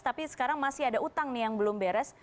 tapi sekarang masih ada utang nih yang belum beres